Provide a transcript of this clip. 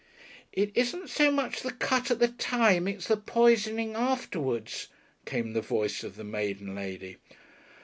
"It isn't so much the cut at the time, it's the poisoning afterwards," came the voice of the maiden lady.